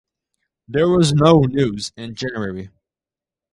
There was no news in January.